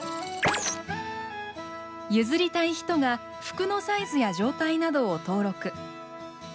譲りたい人が服のサイズや状態などを登録。